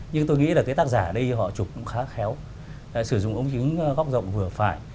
nhưng tôi nghĩ là cái tác giả ở đây họ chụp cũng khá khéo sử dụng ống chứng góc rộng vừa phải